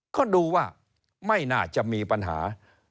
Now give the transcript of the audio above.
ก็ดูว่าไม่น่าจะมีปัญหา